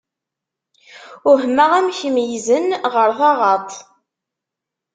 Uhmeɣ amek meyyzen ɣer taɣaṭ.